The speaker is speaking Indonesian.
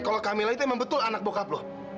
kalau camilla itu emang betul anak bokap lo